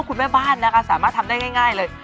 คุณแม่บ้านนะคะสามารถทำได้ง่ายเลย